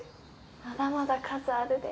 まだまだ数あるで。